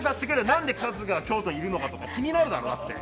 何で春日が京都にいるのかとか気になるだろ？